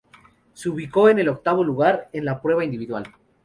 Se ubicó en el octavo lugar en la prueba individual.